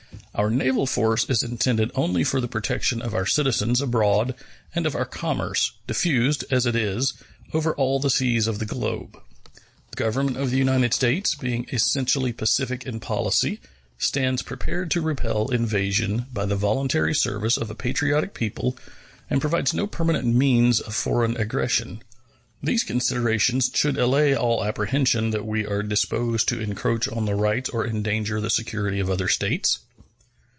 Our naval force is intended only for the protection of our citizens abroad and of our commerce, diffused, as it is, over all the seas of the globe. The Government of the United States, being essentially pacific in policy, stands prepared to repel invasion by the voluntary service of a patriotic people, and provides no permanent means of foreign aggression. These considerations should allay all apprehension that we are disposed to encroach on the rights or endanger the security of other states.